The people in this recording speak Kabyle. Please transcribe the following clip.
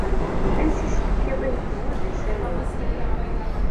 Ansa i as-tekkiḍ i uqbu d asawen.